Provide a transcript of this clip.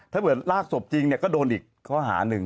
ถ้าเวิร์ตลากศพจริงก็โดนอีกข้อหาหนึ่ง